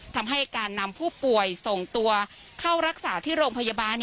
ทำให้การนำผู้ป่วยส่งตัวเข้ารักษาที่โรงพยาบาล